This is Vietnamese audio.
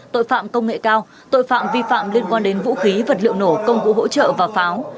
tội phạm công nghệ cao tội phạm vi phạm liên quan đến vũ khí vật liệu nổ công cụ hỗ trợ và pháo